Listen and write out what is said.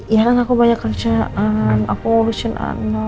iya kan aku banyak kerjaan aku ngurusin anak